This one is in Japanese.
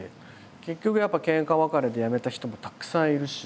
結局やっぱけんか別れで辞めた人もたくさんいるし。